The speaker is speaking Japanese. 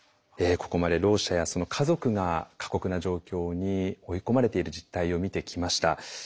ここまでろう者やその家族が過酷な状況に追い込まれている実態を見てきました。